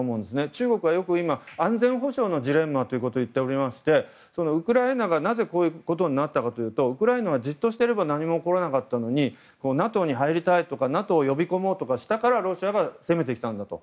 中国はよく安全保障のジレンマと言っていましてウクライナがなぜこういうことになったかというとウクライナはじっとしていれば何も起こらなかったのにＮＡＴＯに入りたいとかＮＡＴＯを呼び込もうとしたからロシアが攻めてきたんだと。